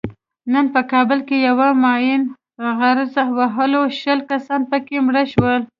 نن په کابل کې یوه ماین غرز وهلو شل کسان پکې مړه شول.